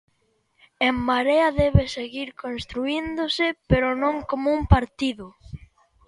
En Marea debe seguir construíndose, pero non como un partido.